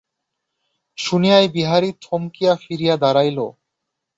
শুনিয়াই বিহারী থমকিয়া ফিরিয়া দাঁড়াইল।